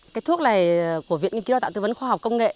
cái thuốc này của viện nghiên cứu đào tạo tư vấn khoa học công nghệ